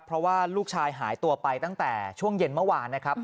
เพราะว่าลูกชายหายตัวไปตั้งแต่ช่วงเย็นเมื่อวานนะครับ